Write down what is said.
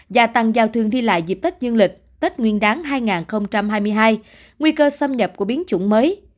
gia tăng giao thương đi lại dịp tết dương lịch tết nguyên đáng hai nghìn hai mươi hai nguy cơ xâm nhập của biến chủng mới